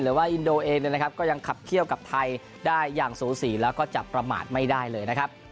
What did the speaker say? หรือว่าอินโดเองก็ยังขับเคี่ยวกับไทยได้อย่างสูสีแล้วก็จะประมาทไม่ได้เลย